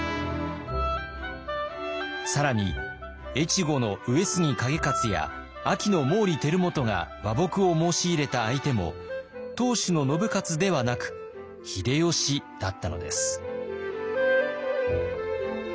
更に越後の上杉景勝や安芸の毛利輝元が和睦を申し入れた相手も当主の信雄ではなく秀吉だったのです。